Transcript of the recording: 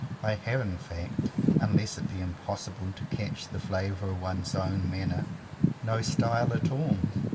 I have, in fact, unless it be impossible to catch the flavour of one's own manner, no style at all.